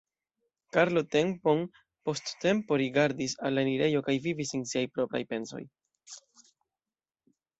Karlo tempon post tempo rigardis al la enirejo kaj vivis en siaj propraj pensoj.